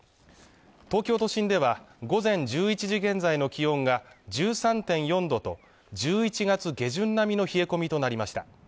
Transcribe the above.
東京都心では午前１１時現在の気温が１３．４度と１１月下旬並みの冷え込みとなりました